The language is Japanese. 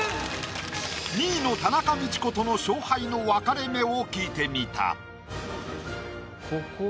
２位の田中道子との勝敗の分かれ目を聞いてみた。